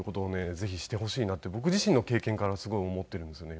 ぜひしてほしいなって僕自身の経験からすごい思っているんですよね